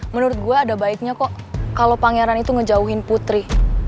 menurut gue ada baiknya kok kalau pangeran itu ngejauhin putri